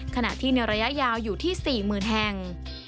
ขณะที่ในระยะยาวอยู่ที่๔๐๐๐แห่ง